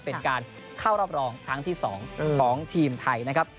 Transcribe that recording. เป็นการเข้ารอบรองครั้งที่๒ของทีมไทยนะครับ